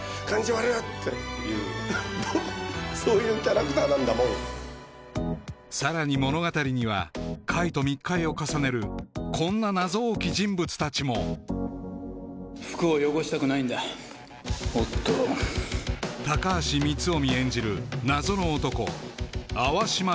悪っていうそういうキャラクターなんだもんさらに物語には海と密会を重ねるこんな謎多き人物たちも服を汚したくないんだおっと高橋光臣演じる